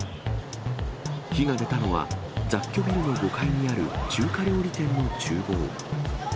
火が出たのは、雑居ビルの５階にある中華料理店のちゅう房。